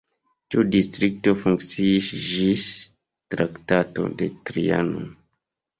Tiu distrikto funkciis ĝis Traktato de Trianon.